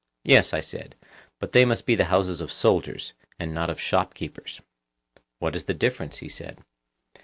Yes, I said; but they must be the houses of soldiers, and not of shop keepers. What is the difference? he said.